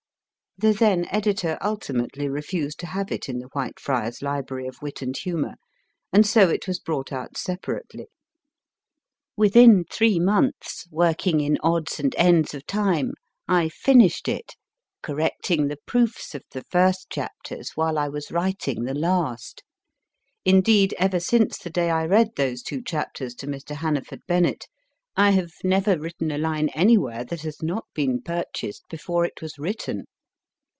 (The then editor ultimately refused to have it in the Whitefriars Library of EDITING A COMIC PAPER Wit and Humour, and so it was brought out separately.) Within three months, working in odds and ends of time, I finished it, correcting the proofs of the first chapters while I was writing the last ; indeed, ever since the day I read those two chapters to Mr. Hannaford Bennett I have never written a line anywhere that has not been purchased before it was written.